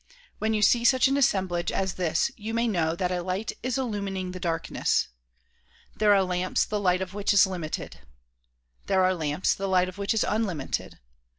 When you see such an assemblage as this you may know that a light is illumining the darkness. There are lamps the light of which is limited. There are lamps the light of which is unlimited.